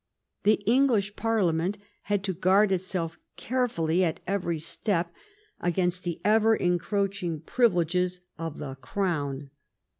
The English Parliament had to guard itself care fully, at every step, against the ever encroaching privi leges of the crown.